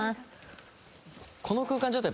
この空間状態。